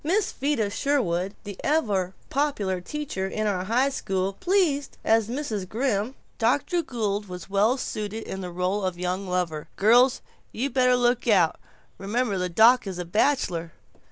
Miss Vida Sherwin the ever popular teacher in our high school pleased as Mrs. Grimm, Dr. Gould was well suited in the role of young lover girls you better look out, remember the doc is a bachelor.